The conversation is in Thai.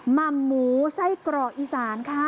ห่ำหมูไส้กรอกอีสานค่ะ